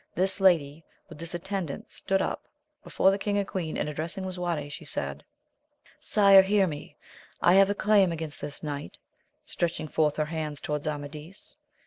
This lady with this attendance stood up before the king and queen, and addressing Lisuarte she said, Sire, hear me ! I have a claim against this knight, — stretching forth her hand towards Amadis.